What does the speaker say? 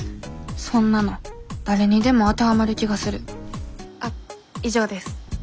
そんなの誰にでも当てはまる気がするあっ以上です。